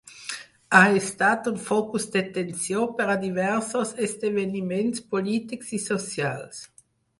Ha estat un focus de tensió per a diversos esdeveniments polítics i socials.